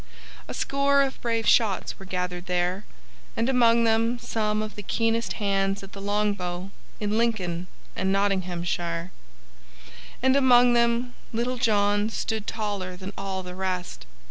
A score of brave shots were gathered there, and among them some of the keenest hands at the longbow in Lincoln and Nottinghamshire; and among them Little John stood taller than all the rest.